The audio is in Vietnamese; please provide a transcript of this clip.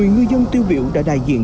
một mươi ngư dân tiêu biểu đã đại diện